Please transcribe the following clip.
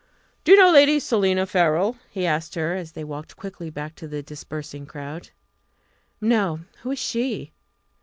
"Do you know Lady Selina Farrell?" he asked her, as they walked quickly back to the dispersing crowd. "No; who is she?"